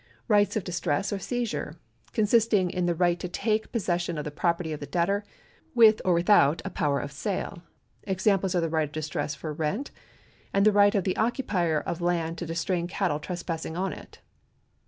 Rights of distress or seizure — consisting in the right to take pos session of the property of the debtor, with or without a power of sale. Examples are the right of distress for rent, and the right of the occupier of land to distrain cattle trespassing on it.